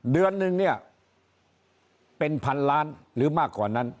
เดือนหนึ่งเป็น๑๐๐๐ล้านหรือมากกว่านั้น